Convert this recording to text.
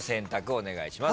お願いします。